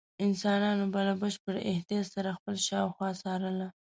انسانانو به له بشپړ احتیاط سره خپله شاوخوا څارله.